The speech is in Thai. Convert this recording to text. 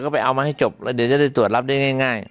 ก็ไปเอามาให้จบแล้วเดี๋ยวจะได้ตรวจรับได้ง่าย